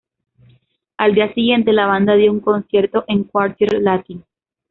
Al día siguiente, la banda dio un concierto en Quartier Latin..